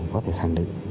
có thể khẳng định